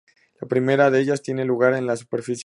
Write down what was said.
La primera de ellas tiene lugar en la superficie.